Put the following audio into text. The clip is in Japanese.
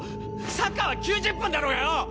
サッカーは９０分だろうがよ！